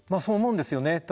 そう思うんですよね。